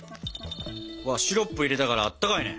シロップ入れたからあったかいね。